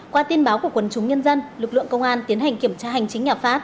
qua tin báo của quần chúng nhân dân lực lượng công an tiến hành kiểm tra hành chính nhà phát